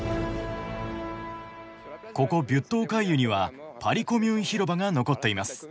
ここビュットオカイユには「パリ・コミューン広場」が残っています。